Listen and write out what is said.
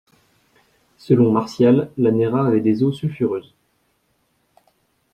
Selon Martial, la Néra avait des eaux sulfureuses.